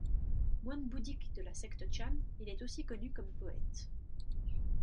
Moine bouddhique de la secte chan, il est aussi connu comme poète.